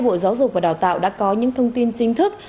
bộ giáo dục và đào tạo đã có những thông tin chính thức